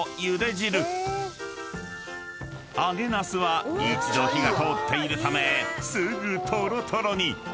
［揚げなすは一度火が通っているためすぐとろとろに］